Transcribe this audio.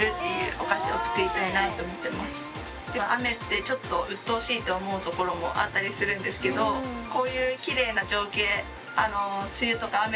雨ってちょっとうっとうしいって思うところもあったりするんですけど早速試作が始まった。